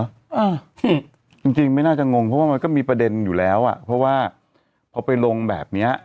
อ่าที่จริงจริงไม่น่าจะงงเพราะว่ามันก็มีประเด็นอยู่แล้วอ่ะเพราะว่าพอไปลงแบบเนี้ย